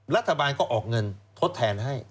รัฐบาลก็ออกเงินทดแทนให้